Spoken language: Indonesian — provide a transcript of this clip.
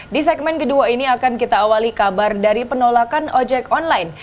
di segmen kedua ini akan kita awali kabar dari penolakan ojek online